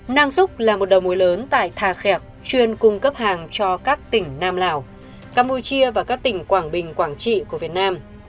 nang xúc là một đầu mối lớn tại thà khẹc chuyên cung cấp hàng cho các tỉnh nam lào campuchia và các tỉnh quảng bình quảng trị của việt nam